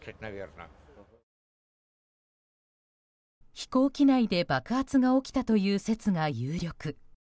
飛行機内で爆発が起きたという説が有力。